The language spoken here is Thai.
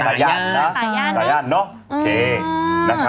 ตาย่านเนาะ